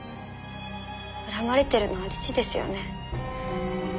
恨まれてるのは父ですよね？